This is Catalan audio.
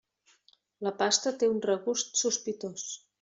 La pasta té un regust sospitós.